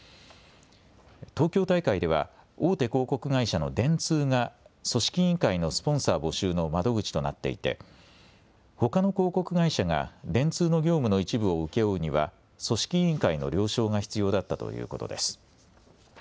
東京大会では大手広告会社の電通が組織委員会のスポンサー募集の窓口となっていてほかの広告会社が電通の業務の一部を請け負うには組織委員会の了承が必要だったということです。